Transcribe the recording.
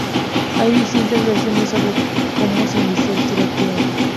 Hay distintas versiones sobre cómo se inició el tiroteo.